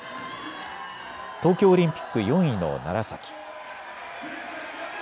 東京オリンピック４位の楢崎。